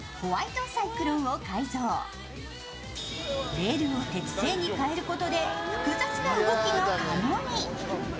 レールを鉄製にかえることで複雑な動きが可能に。